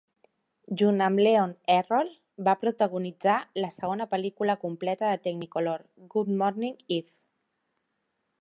Junt amb Leon Errol, va protagonitzar la segona pel·lícula completa de Technicolor Good Morning, Eve!